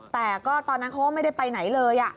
แต่ก็ตอนนั้นเขาก็ไม่ได้ไปไหนเลย